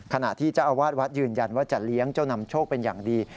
ขณะที่เจ้าอาวาสวัดยืนยันว่าจะเลี้ยงเจ้านำโชคเป็นอย่างดี